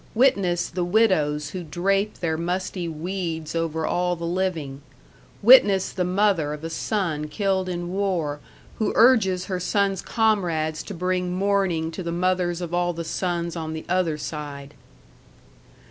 Witness the widows who drape their musty weeds over all the living; witness the mother of a son killed in war who urges her son's comrades to bring mourning to the mothers of all the sons on the other side.